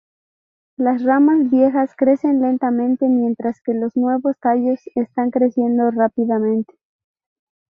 Las ramas viejas crecen lentamente, mientras que los nuevos tallos están creciendo rápidamente.